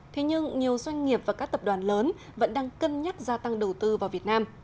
thế nhưng nhiều doanh nghiệp và các tập đoàn lớn vẫn đang cân nhắc gia tăng đầu tư vào việt nam